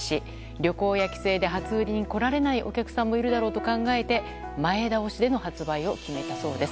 旅行や帰省で初売りに来られないお客さんもいるだろうと考え前倒しでの発売を決めたそうです。